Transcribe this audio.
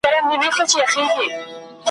د هغه د څېړنو قوت په دې کې و